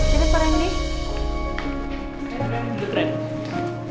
sini pak randy